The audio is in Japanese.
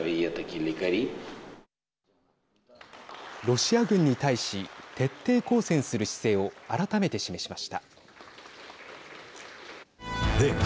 ロシア軍に対し徹底抗戦する姿勢を改めて示しました。